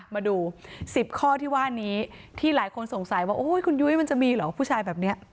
มาดู๑๐ข้อที่ว่านี้ที่หลายคนสงสัยว่าคุณยุ้ยมันจะมีเหรอผู้ชายแบบนี้